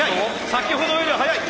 先ほどよりは速い！